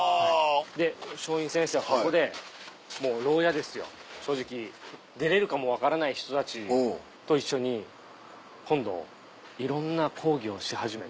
で松陰先生はここでもう牢屋ですよ正直出れるかも分からない人たちと一緒に今度いろんな講義をし始めて。